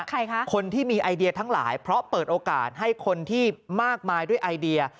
ใครคะคนที่มีไอเดียทั้งหลายเพราะเปิดโอกาสให้คนที่มากมายด้วยไอเดีย